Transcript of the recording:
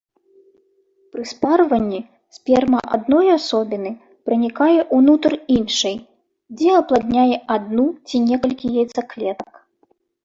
Пры спарванні сперма адной асобіны пранікае ўнутр іншай, дзе апладняе адну ці некалькі яйцаклетак.